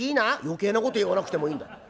「余計なこと言わなくてもいいんだ。